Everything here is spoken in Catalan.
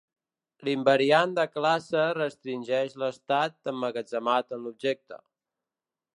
L'invariant de classe restringeix l'estat emmagatzemat en l'objecte.